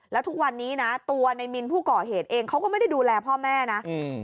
แล้วทุกวันนี้นะตัวในมินผู้ก่อเหตุเองเขาก็ไม่ได้ดูแลพ่อแม่นะอืม